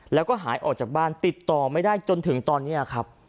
แล้วก็หายออกจากบ้านติดต่อไม่ได้จนถึงตอนนี้ครับ